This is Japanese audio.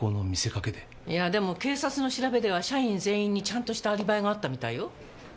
いやでも警察の調べでは社員全員にちゃんとしたアリバイがあったみたいよ。